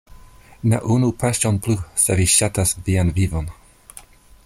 Ne unu paŝon plu, se vi ŝatas vian vivon!